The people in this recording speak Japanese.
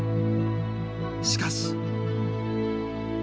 しかし。